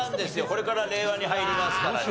これから令和に入りますからね。